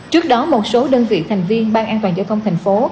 trước đó một số đơn vị thành viên ban an toàn giao thông thành phố